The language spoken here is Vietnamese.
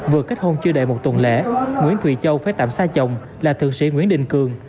vừa kết hôn chưa đợi một tuần lễ nguyễn thụy châu phép tạm xa chồng là thượng sĩ nguyễn đình cường